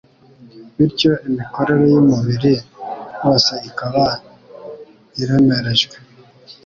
Bityo imikorere y’umubiri wose ikaba iremerejwe.